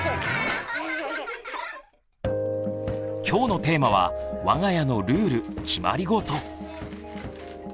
今日のテーマは「わが家のルール・決まりごと」。